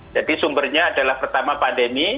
jadi sumbernya adalah pertama pandemi